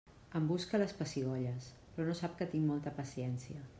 Em busca les pessigolles, però no sap que tinc molta paciència.